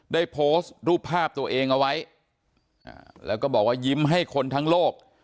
ได้โพสต์รูปภาพตัวเองเอาไว้แล้วก็บอกว่ายิ้มให้คนทั้งโลก